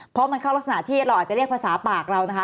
เพราะมันเข้ารักษณะที่เราอาจจะเรียกภาษาปากเรานะคะ